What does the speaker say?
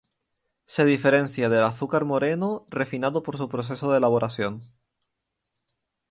Se diferencia del azúcar moreno refinado por su proceso de elaboración.